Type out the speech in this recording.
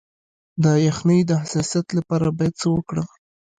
د یخنۍ د حساسیت لپاره باید څه وکړم؟